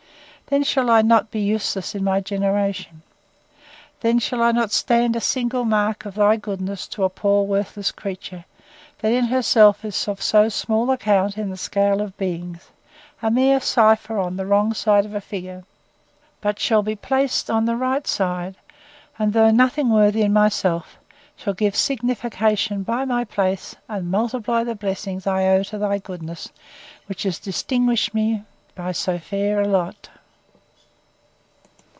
Then shall I not be useless in my generation!—Then shall I not stand a single mark of thy goodness to a poor worthless creature, that in herself is of so small account in the scale of beings, a mere cipher on the wrong side of a figure; but shall be placed on the right side; and, though nothing worth in myself, shall give signification by my place, and multiply the blessings I owe to thy goodness, which has distinguished me by so fair a lot!